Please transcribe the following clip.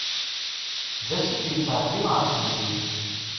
D asif yettεeddin ɣef temdint.